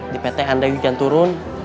di pt anda hujan turun